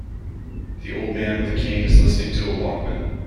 The old man with a cane is listening to a walkman.